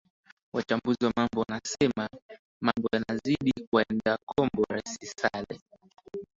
wachambuzi wa mambo wanasema mambo yanazidi kumwendea kombo rais sale